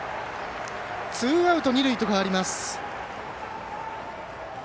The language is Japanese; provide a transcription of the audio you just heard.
ツーアウト、二塁と変わります。